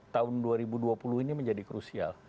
tahun dua ribu dua puluh ini menjadi krusial